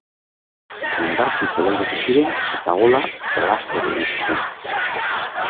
Indartsu zelairatu ziren eta gola laster iritsi zen.